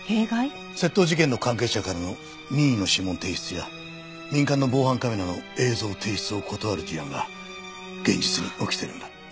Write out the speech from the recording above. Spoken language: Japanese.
窃盗事件の関係者からの任意の指紋提出や民間の防犯カメラの映像提出を断る事案が現実に起きてるんだ。